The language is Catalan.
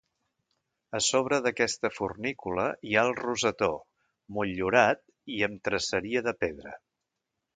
A sobre d'aquesta fornícula hi ha el rosetó, motllurat i amb traceria de pedra.